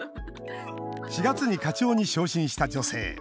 ４月に課長に昇進した女性。